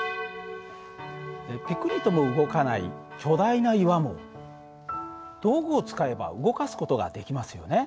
ぴくりとも動かない巨大な岩も道具を使えば動かす事ができますよね。